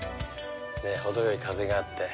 程よい風があって。